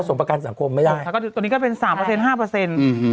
ส่งประกันสังคมไม่ได้ตรงนี้ก็เป็น๓เปอร์เซ็นต์๕เปอร์เซ็นต์